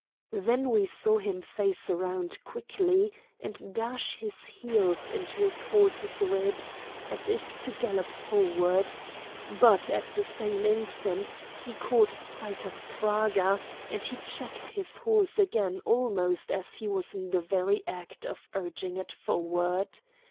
Then we saw him face round quickly and dash his heels into his horse's ribs as if to gallop forward; but, at the same instant, he caught sight of Praga, and he checked his horse again almost as he was in the very act of urging it forward.